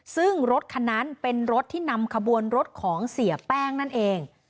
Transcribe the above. ซึ่งรถคันนั้นเป็นรถที่นำขบวนรถของเสียแป้งนั่นเอง